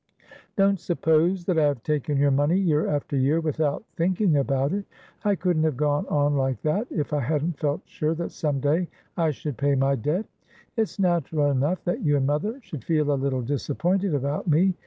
"Don't suppose that I have taken your money year after year without thinking about it. I couldn't have gone on like that if I hadn't felt sure that some day I should pay my debt. It's natural enough that you and mother should feel a little disappointed about me.